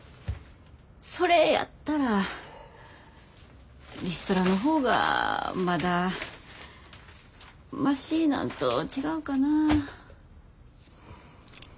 それやったらリストラの方がまだマシなんと違うかな。